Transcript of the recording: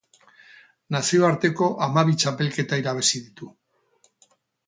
Nazioarteko hamabi txapelketa irabazi ditu.